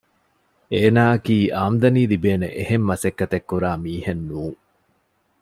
އޭނާއަކީ އާމްދަނީ ލިބޭނެ އެހެން މަސައްކަތެއް ކުރާ މީހެއް ނޫން